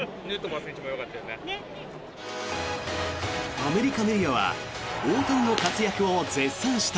アメリカメディアは大谷の活躍を絶賛した。